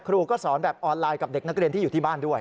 ก็สอนแบบออนไลน์กับเด็กนักเรียนที่อยู่ที่บ้านด้วย